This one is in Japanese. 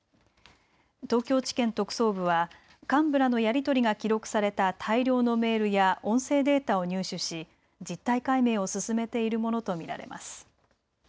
東京地検特捜部は幹部らのやり取りが記録された大量のメールや音声データを入手し実態解明を進めているものと見られます。